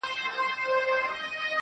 ژوند څه دی پيل يې پر تا دی او پر تا ختم.